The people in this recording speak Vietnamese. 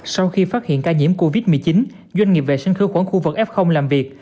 sau khi phát hiện ca nhiễm covid một mươi chín doanh nghiệp vệ sinh khu vực f làm việc